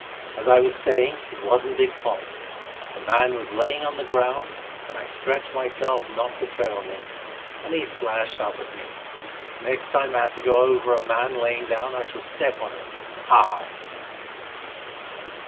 As I was saying, it wasn't Dick's fault. The man was lying on the ground, and I stretched myself not to tread on him, and he slashed up at me. Next time I have to go over a man lying down I shall step on him hard."